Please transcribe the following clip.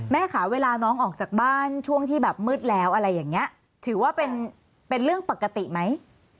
ค่ะเวลาน้องออกจากบ้านช่วงที่แบบมืดแล้วอะไรอย่างนี้ถือว่าเป็นเรื่องปกติไหม